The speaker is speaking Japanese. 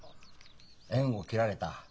「縁を切られた。